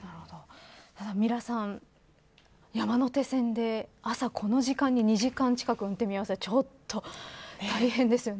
ミラさん、山手線で朝この時間に２時間近く運転見合わせちょっと大変ですよね。